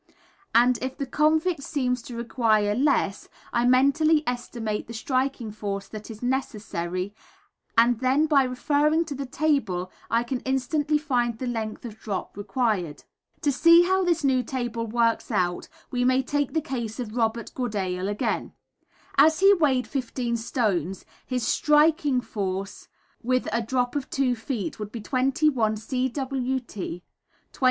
and if the convict seems to require less, I mentally estimate the striking force that is necessary, and then by referring to the table I can instantly find the length of drop required. To see how this new table works out we may take the case of Robert Goodale again. As he weighed 15 stones his striking force with a drop of 2 feet would be 21 cwt.